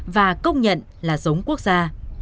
và công nhận là giống quốc gia